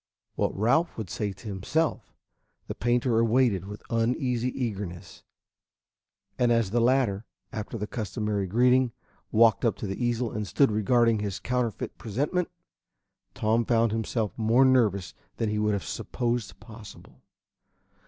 What Ralph would himself say, the painter awaited with uneasy eagerness, and as the latter, after the customary greetings, walked up to the easel and stood regarding his counterfeit presentment, Tom found himself more nervous than he would have supposed possible.